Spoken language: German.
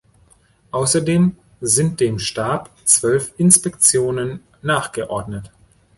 Außerdem sind dem Stab zwölf Inspektionen nachgeordnet.